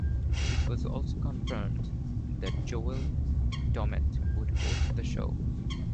It was also confirmed that Joel Dommett would host the show.